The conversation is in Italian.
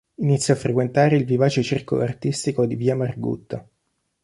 Inizia a frequentare il vivace Circolo artistico di via Margutta.